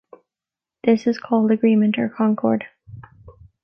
This is called agreement or concord.